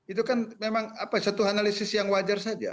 itu kan memang satu analisis yang wajar saja